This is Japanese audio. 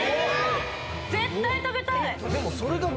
絶対食べたい！